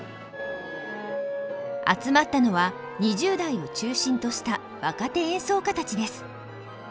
集まったのは２０代を中心とした若手演奏家たちです。